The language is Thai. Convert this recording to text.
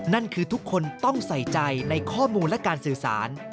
นั่นคือทุกคนต้องใส่ใจในข้อมูลและการสื่อสาร